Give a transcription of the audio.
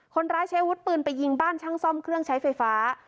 คนร้ายใช้อาวุธปืนไปยิงบ้านช่างซ่อมเครื่องใช้ไฟฟ้า